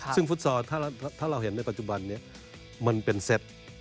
ซึ่งฟุตซอลถ้าเราเห็นในปัจจุบันนี้มันเป็นเซต